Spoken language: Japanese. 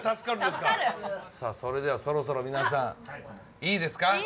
さぁそれではそろそろ皆さんいいですか？